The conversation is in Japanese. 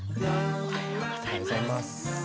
おはようございます。